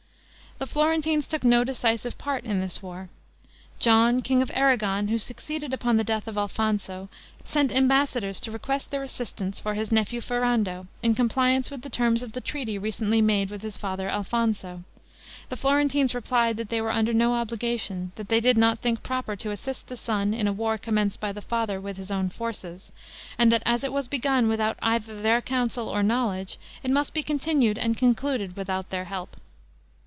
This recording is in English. The Florentines took no decisive part in this war. John, king of Aragon, who succeeded upon the death of Alfonso, sent ambassadors to request their assistance for his nephew Ferrando, in compliance with the terms of the treaty recently made with his father Alfonso. The Florentines replied, that they were under no obligation; that they did not think proper to assist the son in a war commenced by the father with his own forces; and that as it was begun without either their counsel or knowledge, it must be continued and concluded without their help.